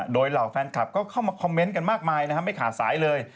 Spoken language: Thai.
โดยเหล่าแฟนคลับก็เข้ามาคอมเมนต์กันมากมายไม่ขาดสายเลย